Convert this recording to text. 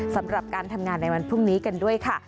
สำหรับการทำงานในวันพรุ่งนี้กันด้วยค่ะ